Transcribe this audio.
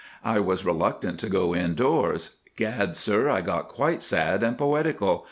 I was reluctant to go indoors. Gad, sir, I got quite sad and poetical.